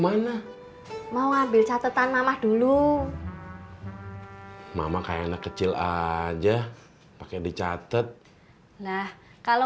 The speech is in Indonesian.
mana mau ngambil catetan mamah dulu mama kayak anak kecil aja pake dicatat naf